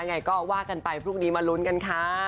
ยังไงก็ว่ากันไปพรุ่งนี้มาลุ้นกันค่ะ